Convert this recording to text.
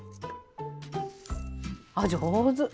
あっ上手。